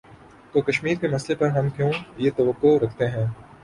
تو کشمیر کے مسئلے پر ہم کیوں یہ توقع رکھتے ہیں۔